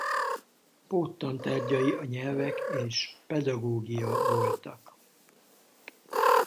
Pót-tantárgyai a nyelvek és pedagógia voltak.